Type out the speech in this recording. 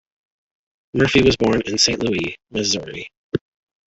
Murphy was born in Saint Louis, Missouri.